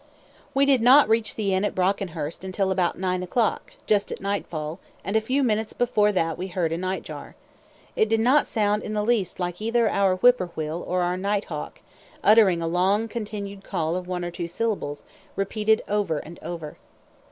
We did not reach the inn at Brockenhurst until about nine o'clock, just at nightfall, and a few minutes before that we heard a nightjar. It did not sound in the least like either our whip poor will or our night hawk, uttering a long continued call of one or two syllables, repeated over and over.